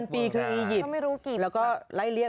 ๖๐๐๐ปีที่อียิต